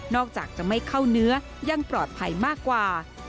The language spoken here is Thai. อกจากจะไม่เข้าเนื้อยังปลอดภัยมากกว่า